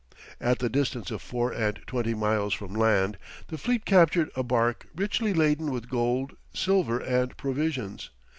At the distance of four and twenty miles from land, the fleet captured a barque richly laden with gold, silver, and provisions.